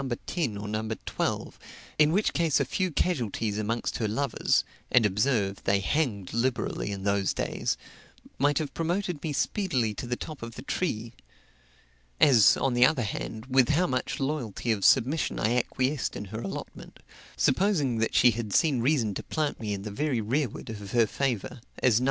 10 or 12, in which case a few casualties amongst her lovers (and observe they hanged liberally in those days) might have promoted me speedily to the top of the tree; as, on the other hand, with how much loyalty of submission I acquiesced in her allotment, supposing that she had seen reason to plant me in the very rearward of her favor, as No.